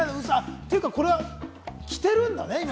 っていうか、これは着てるんだね？